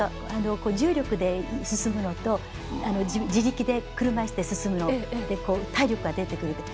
重力で進むのと自力で車いすで進むと体力が出てくる。